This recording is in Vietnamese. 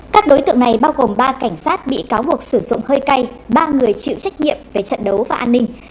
các đối tượng này bao gồm ba cảnh sát bị cáo buộc sử dụng hơi cay ba người chịu trách nhiệm về trận đấu và an ninh